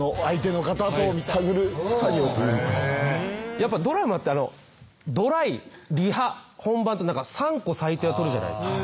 やっぱドラマってドライリハ本番って３個最低は撮るじゃないですか。